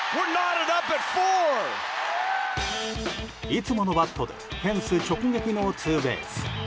いつものバットでフェンス直撃のツーベース。